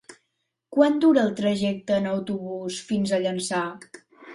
Quant dura el trajecte en autobús fins a Llançà?